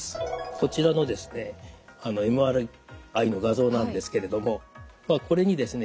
こちらのですねＭＲＩの画像なんですけれどもこれにですね